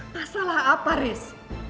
masalah apa res